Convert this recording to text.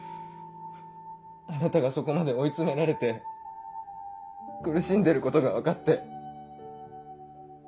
あなたがそこまで追い詰められて苦しんでることが分かって。